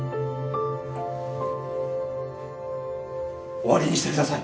終わりにしてください